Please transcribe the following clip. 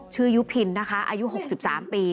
ยุพินนะคะอายุ๖๓ปี